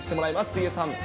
杉江さん。